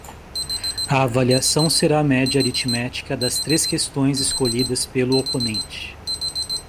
A avaliação será a média aritmética das três questões escolhidas pelo oponente.